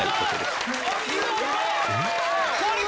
すごい！